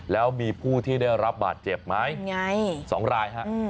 แล้วมีผู้ที่ได้รับบาดเจ็บไหมสองรายฮะ